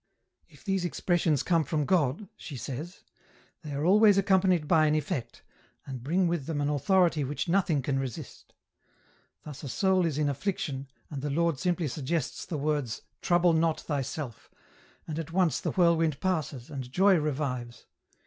" 'If these expressions come from God,' she says, 'they are always accompanied by an effect, and bring with them an authority which nothing can resist ; thus a soul is in affliction, and the Lord simply suggests the words " trouble not thyself," and at once the whirlwind passes, and joy revives.